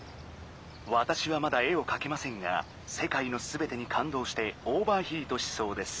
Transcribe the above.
「わたしはまだ絵をかけませんがせかいのすべてにかんどうしてオーバーヒートしそうです」。